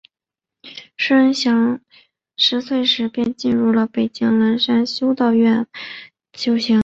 师恩祥十岁时便进入北京栅栏修道院修行。